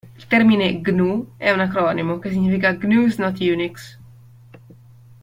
Il termine GNU è un acronimo che significa "GNU's not Unix".